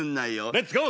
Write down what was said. レッツゴー！